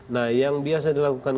nah yang biasa dilakukan